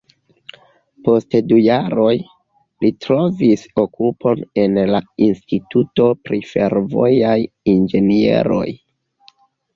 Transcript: Post du jaroj, li trovis okupon en la Instituto pri Fervojaj Inĝenieroj.